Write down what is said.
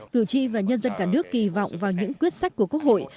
cử tri và nhân dân cả nước kỳ vọng vào những quyết sách của quốc hội